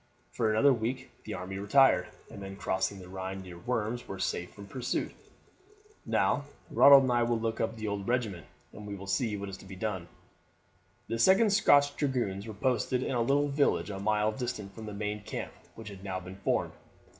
For another week the army retired, and then crossing the Rhine near Worms were safe from pursuit. "Now, Ronald, I will look up the old regiment, and we will see what is to be done." The 2d Scotch Dragoons were posted in a little village a mile distant from the main camp which had now been formed.